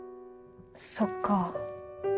そっか。